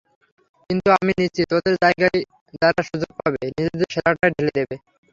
কিন্তু আমি নিশ্চিত ওঁদের জায়গায় যারা সুযোগ পাবে নিজেদের সেরাটাই ঢেলে দেবে।